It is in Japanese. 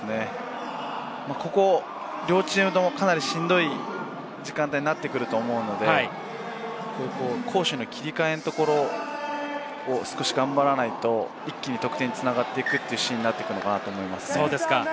ここ両チームとも、かなりしんどい時間帯になってくると思うので、攻守の切り替えのところを少し頑張らないと、一気に得点に繋がっていくというシーンになっていくのかなと思います。